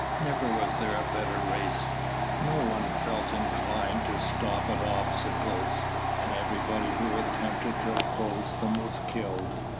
Never was there a better race. No one felt inclined to stop at obstacles, and everybody who attempted to oppose them was killed.